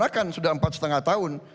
bapak tidak laksanakan sudah empat lima tahun